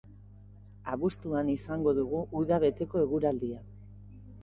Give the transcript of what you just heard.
Abuztuan izango dugu uda beteko eguraldia.